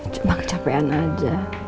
cuma kecapean aja